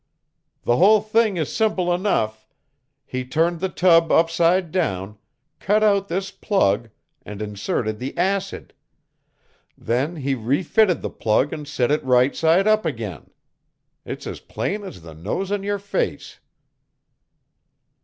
"The whole thing is simple enough. He turned the tub upside down, cut out this plug, and inserted the acid. Then he refitted the plug and set it right side up again. It's as plain as the nose on your face."